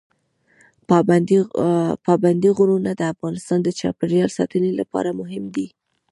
پابندي غرونه د افغانستان د چاپیریال ساتنې لپاره مهم دي.